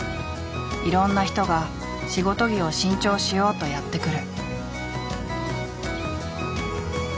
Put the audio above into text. いろんな人が仕事着を新調しようとやって来る。